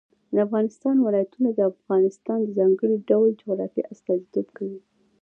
د افغانستان ولايتونه د افغانستان د ځانګړي ډول جغرافیه استازیتوب کوي.